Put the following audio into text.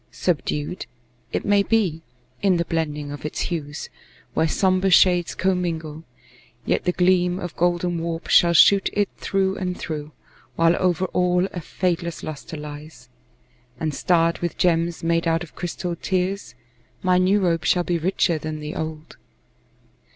Subdued, It may be, in the blending of its hues, Where somber shades commingle, yet the gleam Of golden warp shall shoot it through and through, While over all a fadeless luster lies, And starred with gems made out of crystalled tears, My new robe shall be richer than the old.